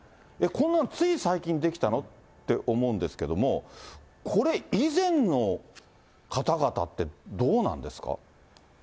こんなのつい最近出来たのって思うんですけども、これ以前の方々って、どうなんですか？